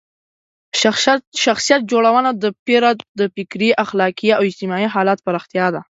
شخصیت جوړونه د فرد د فکري، اخلاقي او اجتماعي حالت پراختیا ده.